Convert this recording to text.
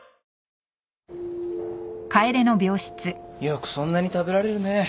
よくそんなに食べられるね。